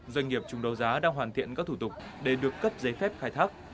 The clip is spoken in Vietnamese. doanh nghiệp trùng đầu giá đang hoàn thiện các thủ tục để được cấp giấy phép khai thác